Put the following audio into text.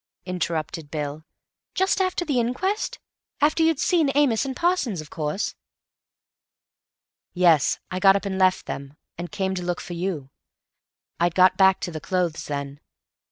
interrupted Bill. "Just after the inquest—after you'd seen Amos and Parsons, of course?" "Yes. I got up and left them, and came to look for you. I'd got back to the clothes then.